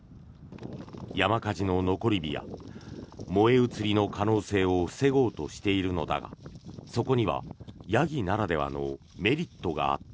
山火事の残り火や燃え移りの可能性を防ごうとしているのだがそこにはヤギならではのメリットがあった。